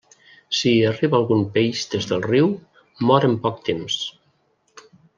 Si hi arriba algun peix des del riu, mor en poc temps.